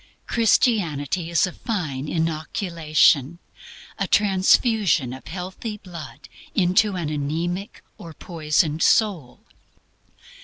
Christianity is a fine inoculation, a transfusion of healthy blood into an anæmic or poisoned soul.